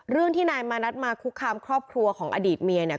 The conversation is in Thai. เรื่องที่นายมานัดมาคุกคามครอบครัวของอดีตเมียเนี่ย